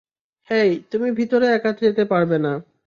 হেই, তুমি ভিতরে একা যেতে পারবে না।